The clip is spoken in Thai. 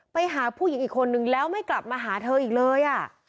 ไปหาผู้หญิงอีกคนนึงแล้วไม่กลับมาหาเธออีกเลย